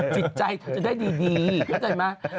จิตใจเธอจะได้ดีเข้าใจไหม